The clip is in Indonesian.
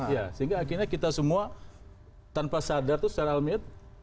ya sehingga akhirnya kita semua tanpa sadar itu secara almirat